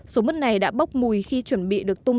số mứt này đã bốc mùi khi chuẩn bị được tung